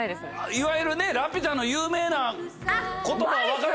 いわゆる『ラピュタ』の有名な言葉分かる？